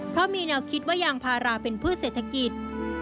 เพราะมีแนวคิดว่ายางพาราเป็นพืชเศรษฐกิจ